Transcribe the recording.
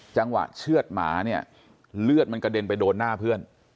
เชื่อดหมาเนี่ยเลือดมันกระเด็นไปโดนหน้าเพื่อน